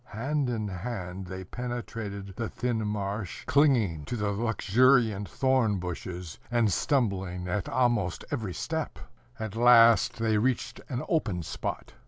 Hand in hand they penetrated the thin marsh, clinging to the luxuriant thorn bushes, and stumbling at almost every step. At last they reached an open spot.